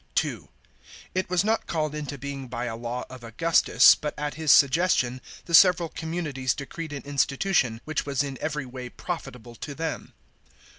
(2) It was not called into being by a law of Augustus, but at his suggestion the several communities decreed an insti tution, which was in every way profitable to them.